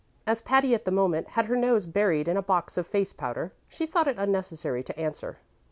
As Patty at the moment had her nose buried in a box of face powder she thought it unnecessary to answer.